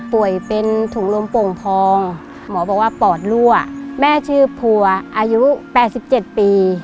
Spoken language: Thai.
ป่วยเป็นถุงลมโป่งพองหมอบอกว่าปอดรั่วแม่ชื่อพัวอายุแปดสิบเจ็ดปี